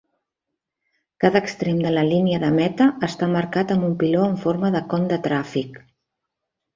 Cada extrem de la línia de meta està marcat amb un piló en forma de con de tràfic.